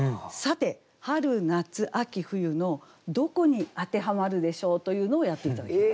さて春夏秋冬のどこに当てはまるでしょう？というのをやって頂きたい。